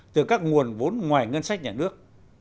từ các nguồn vốn ngoài ngân sách nhà nước